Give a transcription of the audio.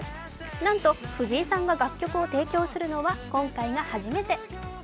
なんと藤井さんが楽曲を提供するのは今回が初めて。